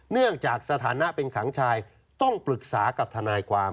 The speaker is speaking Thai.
เนื่องจากสถานะเป็นขังชายต้องปรึกษากับทนายความ